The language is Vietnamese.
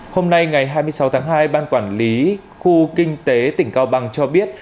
hôm nay ngày hai mươi sáu tháng hai ban quản lý khu kinh tế tỉnh cao bằng cho biết